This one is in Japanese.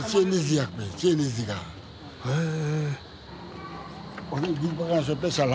へえ。